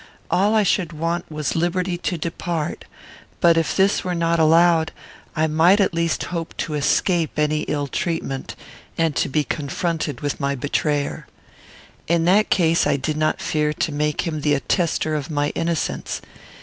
All I should want was liberty to depart; but, if this were not allowed, I might at least hope to escape any ill treatment, and to be confronted with my betrayer. In that case I did not fear to make him the attester of my innocence.